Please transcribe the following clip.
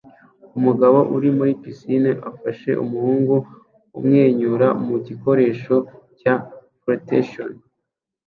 Umugabo uri muri pisine afashe umuhungu amwenyura mugikoresho cya flotation